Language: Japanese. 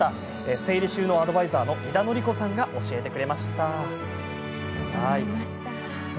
整理収納アドバイザーの井田典子さんが教えてくれました。